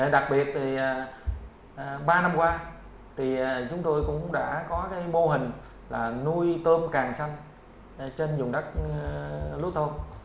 đặc biệt thì ba năm qua thì chúng tôi cũng đã có cái mô hình là nuôi tôm càng xanh trên dùng đất lúa tôm